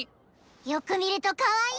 よく見るとかわいい！